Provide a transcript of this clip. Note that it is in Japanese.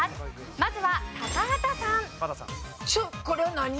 まずは高畑さん。